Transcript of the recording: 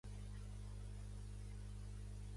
Un humanitari esposa amor per la humanitat.